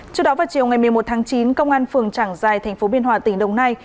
trước đó vào chiều một mươi một chín công an phường trảng giai tp biên hòa tỉnh đồng nai